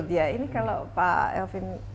ini kalau pak elvin